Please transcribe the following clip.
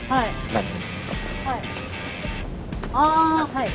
はい。